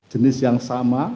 jenis yang sama